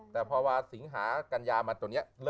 แต่พอว่าสิงหากัญญามาจนเนี่ย